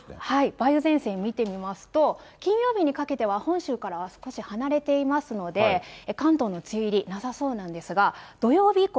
梅雨前線見てみますと、金曜日にかけては本州から少し離れていますので、関東の梅雨入り、なさそうなんですが、土曜日以降、